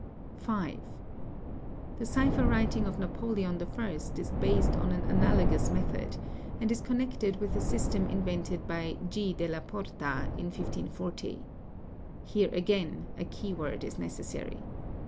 j | 5. The cipher writing of Napoleon I. is based on an analogo 1S method, and is connected with a system invented by G. della Porta ir | 1540. Here again a key word is necessary.